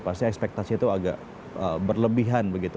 pasti ekspektasi itu agak berlebihan begitu